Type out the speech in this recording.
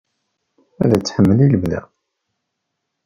Ad t-tḥemmel i lebda.